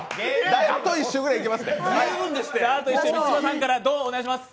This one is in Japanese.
あと１周くらいいけます。